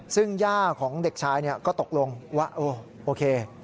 ซึ่งย่าของเด็กชายก็ตกลงว่าโอเค